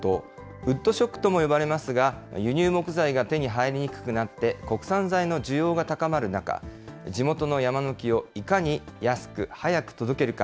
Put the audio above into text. ウッドショックとも呼ばれますが、輸入木材が手に入りにくくなって、国産材の需要が高まる中、地元の山の木をいかに安く早く届けるか。